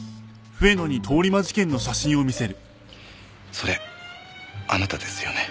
それあなたですよね？